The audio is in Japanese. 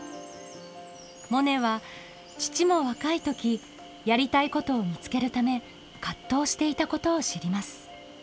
モネは父も若い時やりたいことを見つけるため葛藤していたことを知ります。